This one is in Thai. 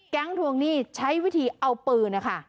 แก๊งถ่วงหนี้ใช้วิธีเอาปืนค่ะ